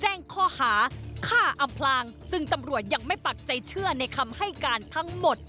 แจ้งข้อหาฆ่าอำพลางซึ่งตำรวจยังไม่ปักใจเชื่อในคำให้การทั้งหมด